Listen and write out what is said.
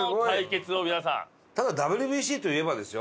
ただＷＢＣといえばですよ